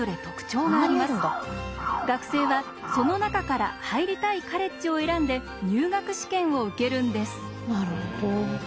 学生はその中から入りたいカレッジを選んで入学試験を受けるんです。